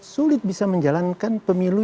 sulit bisa menjalankan pemilu